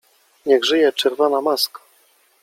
Niech żyje Czerwona Maska!